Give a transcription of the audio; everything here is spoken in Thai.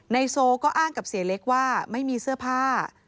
โซก็อ้างกับเสียเล็กว่าไม่มีเสื้อผ้า